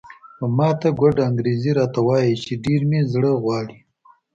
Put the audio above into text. په ماته ګوډه انګریزي راته وایي چې ډېر مې زړه غواړي.